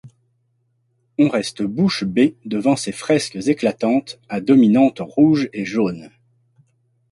On reste bouche bée devant ces fresques éclatantes, à dominante rouge et jaune.